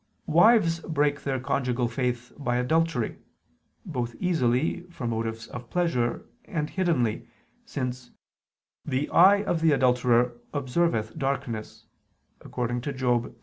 9: Wives break their conjugal faith by adultery, both easily, for motives of pleasure, and hiddenly, since "the eye of the adulterer observeth darkness" (Job 24:15).